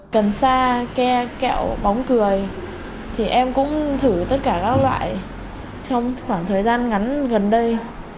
cần xa ke kẹo bóng cười thì em cũng thử tất cả các loại trong khoảng thời gian ngắn gần đây